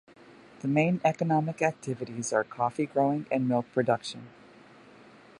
The main economic activities are coffee growing and milk production.